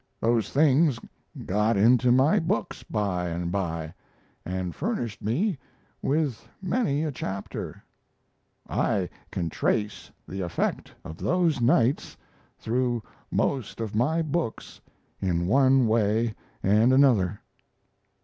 Those things got into my books by and by and furnished me with many a chapter. I can trace the effect of those nights through most of my books in one way and another."